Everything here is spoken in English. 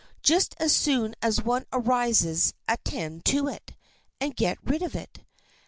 Just as soon as one arises attend to it, and get rid of it.